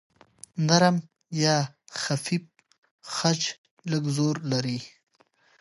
نرم یا خفیف خج لږ زور لري.